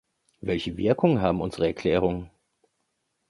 Welche Wirkung haben unsere Erklärungen?